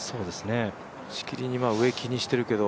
しきりに上を気にしてるけど。